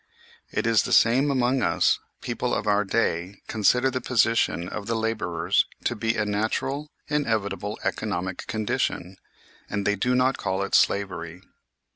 It is the same among us people of our day consider the position of the labourers to be a natural, inevitable economic condition, and they do not call it slavery.